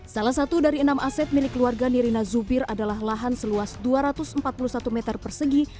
salah satu dari enam aset milik keluarga nirina zubir adalah lahan seluas dua ratus empat puluh satu meter persegi